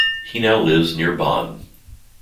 He now lives near Bonn.